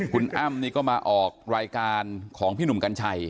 คุณอ้ำนี่ก็มาออกรายการของพี่หนุ่มกัญชัย